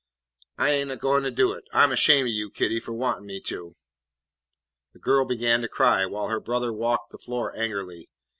I ain't a goin' to do it. I 'm ashamed o' you, Kitty, fu' wantin' me to." The girl began to cry, while her brother walked the floor angrily.